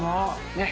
ねっ。